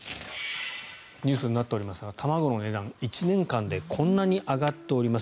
ニュースになっておりましたが卵の値段が１年間でこんなに上がっています。